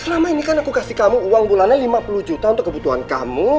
selama ini kan aku kasih kamu uang bulannya lima puluh juta untuk kebutuhan kamu